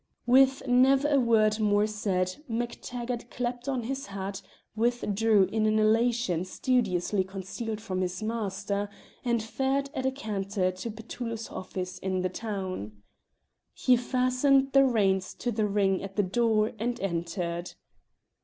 With never a word more said MacTaggart clapped on his hat, withdrew in an elation studiously concealed from his master, and fared at a canter to Petullo's office in the town. He fastened the reins to the ring at the door and entered.